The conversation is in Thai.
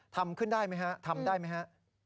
ทำได้ไหมฮะ